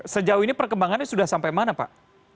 sejauh ini perkembangannya sudah sampai mana pak